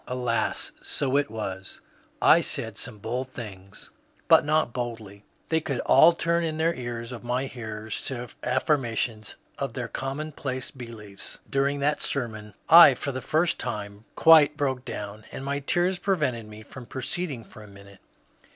Alas, so. it was* I said some 120 MONCURE DANIEL CONWAY bold things, but not boldly ; they could all turn in the ears of my hearers to affirmations of Uieir commonplace beliefs. During that sermon I for the first time quite broke down, and my tears prevented me from proceeding for a minute.